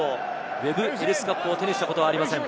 ウェブ・エリス・カップを手にしたことはありません。